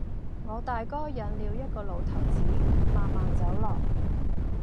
我大哥引了一個老頭子，慢慢走來；